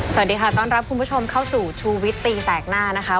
สวัสดีค่ะต้อนรับคุณผู้ชมเข้าสู่ชูวิตตีแสกหน้านะคะ